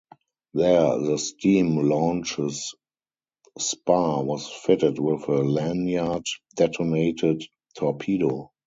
There, the steam launch's spar was fitted with a lanyard-detonated torpedo.